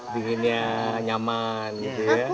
dinginnya nyaman gitu ya